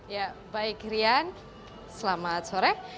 ya baik rian selamat sore